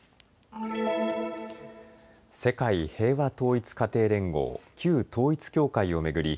世界平和統一家庭連合、旧統一教会を巡り